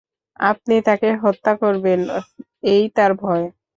আপনি তাকে হত্যা করবেন এই তার ভয়।